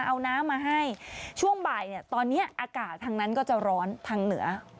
เอาน้ำมาให้ช่วงบ่ายเนี่ยตอนนี้อากาศทางนั้นก็จะร้อนทางเหนือ